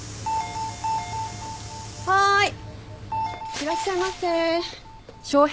いらっしゃいませ。